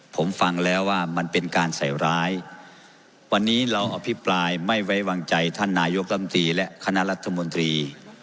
ผมฟังแล้วว่ามันเป็นการใส่ร้ายวันนี้เราอภิปรายไม่ไว้วางใจท่านนายกรรมตรีและคณะรัฐมนตรี